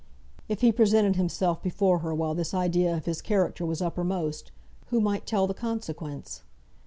If he presented himself before her while this idea of his character was uppermost, who might tell the consequence?